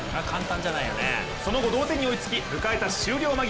その後、同点に追いつき迎えた終了間際。